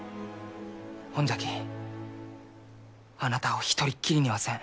ほんじゃきあなたを一人っきりにはせん。